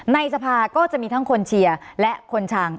ในสภาก็จะมีทั้งคนเชียร์และคนชัง